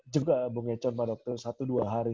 juga bung econ pada waktu satu dua hari